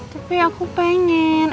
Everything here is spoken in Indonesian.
tapi aku pengen